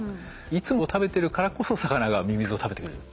いつも食べてるからこそ魚がミミズを食べてくれる。